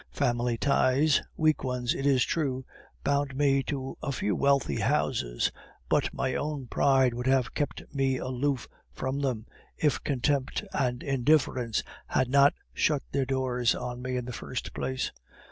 "Family ties, weak ones, it is true, bound me to a few wealthy houses, but my own pride would have kept me aloof from them if contempt and indifference had not shut their doors on me in the first place.